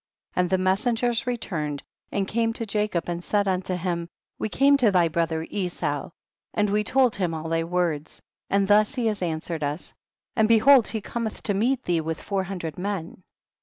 13. And the messengers returned and came to Jacob and said unto him, we came to thy brother, to 92 THE BOOK OF JASHER. Esau, and we told him all thy words, and thus has he answered us, and behold he cometh to meet thee with four hundred men.